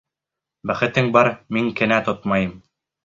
Бәхетең бар, мин кенә тотмайым.